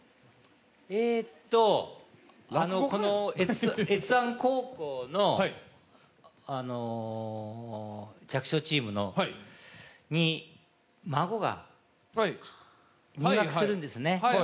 えーと、越山高校の、あのう弱小チームに孫が、入学するんですね。